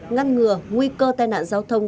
ngăn ngừa nguy cơ tai nặng giao thông